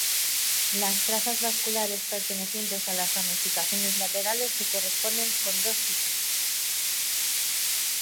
Las trazas vasculares pertenecientes a las ramificaciones laterales se corresponden con dos tipos.